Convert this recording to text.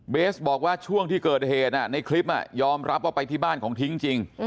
เบสบอกว่าช่วงที่เกิดเหตุในคลิปยอมรับว่าไปที่บ้านของทิ้งจริง